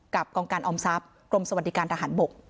กองการออมทรัพย์กรมสวัสดิการทหารบก